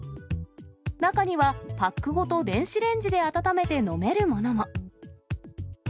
中にはパックごと電子レンジで温めて飲めるものも。